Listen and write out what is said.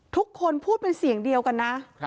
ทุกคนพูดเป็นเสียงเดียวกันนะ